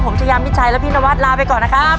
ผมชายามิชัยและพี่นวัดลาไปก่อนนะครับ